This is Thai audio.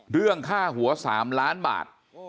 เรื่องค่าหัว๓ล้านบาท